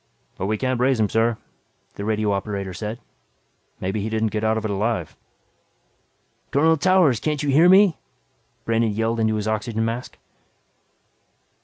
"But we can't raise him sir," the radio operator said. "Maybe he didn't get out of it alive." "Colonel Towers, can't you hear me?" Brandon yelled into his oxygen mask.